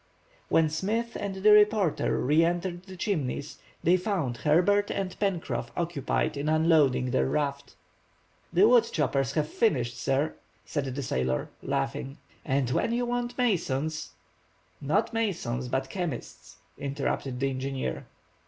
When Smith and the reporter re entered the Chimneys, they found Herbert and Pencroff occupied in unloading their raft. "The wood choppers have finished, sir," said the sailor, laughing, "and when you want masons—" "Not masons, but chemists," interrupted the engineer.